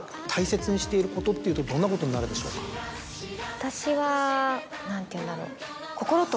私は何ていうんだろう。